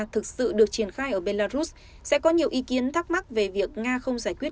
thực sự được triển khai ở belarus sẽ có nhiều ý kiến thắc mắc về việc nga không giải quyết